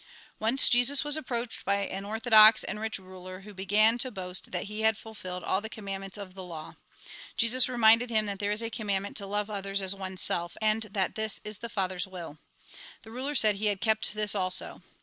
Once Jesus was approached by an orthodox and rich ruler, who began to boast that he had fulfilled all the commandments of the law. Jesus reminded him that there is a commandment to love others as oneself, and that this is the Father's will. The ruler said he kept this also.